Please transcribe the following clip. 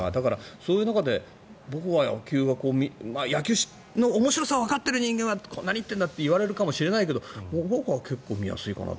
そういう中で僕は野球は野球の面白さをわかっている人間は何言ってるんだって思われるかもしれないけど僕は結構見やすいかなと。